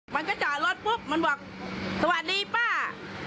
มันก็จอดรถปุ๊บมันบอกสวัสดีป้า